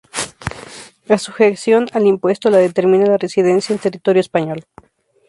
La sujeción al Impuesto la determina la residencia en territorio español.